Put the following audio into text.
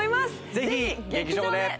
ぜひ劇場で。